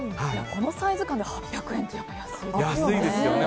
このサイズ感で８００円というのは安いですよね。